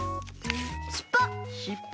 しっぽ！